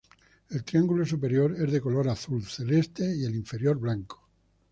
El triángulo superior es de color azul celeste y el inferior blanco.